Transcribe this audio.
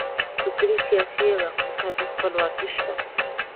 فکري، سیاسي او اقتصادي خپلواکي شته.